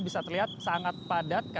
bisa terlihat sangat padat